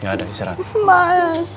gak ada serahat